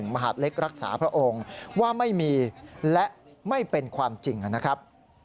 มหาดเล็กรักษาพระองค์ว่าไม่มีและไม่เป็นความจริงนะครับ